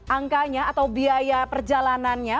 angkanya atau biaya perjalanannya